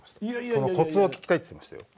そのコツを聞きたいって言ってましたよ。